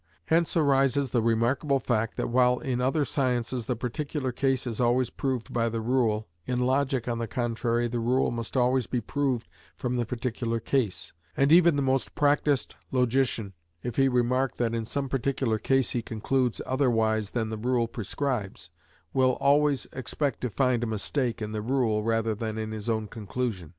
Hence arises the remarkable fact, that while in other sciences the particular case is always proved by the rule, in logic, on the contrary, the rule must always be proved from the particular case; and even the most practised logician, if he remark that in some particular case he concludes otherwise than the rule prescribes, will always expect to find a mistake in the rule rather than in his own conclusion.